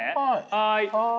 はい。